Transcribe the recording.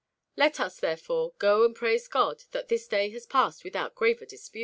Let us, therefore, go and praise God that this day has passed without graver dispute."